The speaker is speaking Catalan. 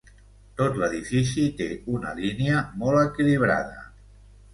Tot l'edifici té una línia molt equilibrada.